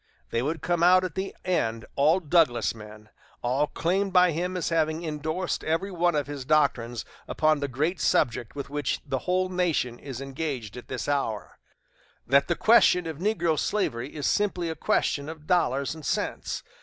They would come out at the end all Douglas men, all claimed by him as having indorsed every one of his doctrines upon the great subject with which the whole nation is engaged at this hour that the question of negro slavery is simply a question of dollars and cents?